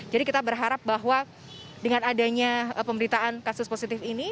jadi kita berharap bahwa dengan adanya pemberitaan kasus positif ini